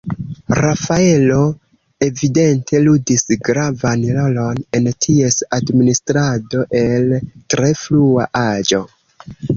Rafaelo evidente ludis gravan rolon en ties administrado el tre frua aĝo.